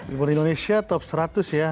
evol indonesia top seratus ya